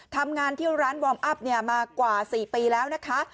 ทำงานที่ร้านวอร์มอัพมากว่า๔ปีแล้วนะคะ